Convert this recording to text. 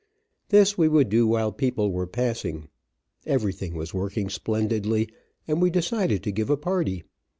This we would do while people were passing. Everything was working splendidly, and we decided to give a party.